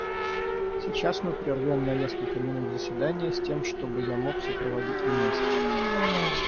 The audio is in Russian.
Сейчас мы прервем на несколько минут заседание, с тем чтобы я мог сопроводить министра.